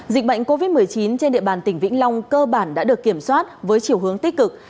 dịch bệnh covid một mươi chín trên địa bàn tỉnh vĩnh long cơ bản đã được kiểm soát với chiều hướng tích cực